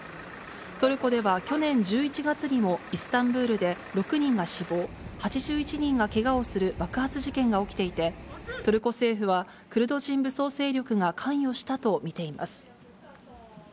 トルコでは去年１１月にも、イスタンブールで６人が死亡、８１人がけがをする爆発事件が起きていて、トルコ政府はクルド人武装勢力が関与したと見ています。